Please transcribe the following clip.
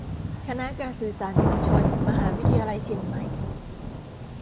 คณะการสื่อสารมวลชน มหาวิทยาลัยเชียงใหม่